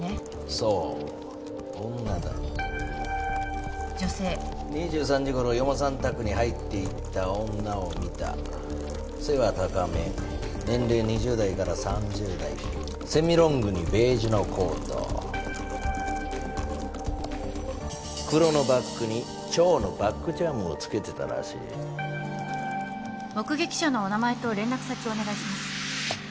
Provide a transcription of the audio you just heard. そう女だ女性２３時頃四方さん宅に入っていった女を見た背は高め年齢２０代から３０代セミロングにベージュのコート黒のバッグに蝶のバッグチャームをつけてたらしい目撃者のお名前と連絡先お願いします